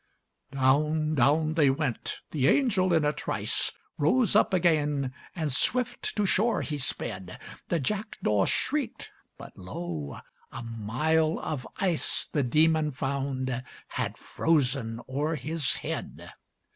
Down, down they went. The angel in a trice Rose up again, and swift to shore he sped. The jackdaw shrieked, but lo! a mile of ice The demon found had frozen o'er his head.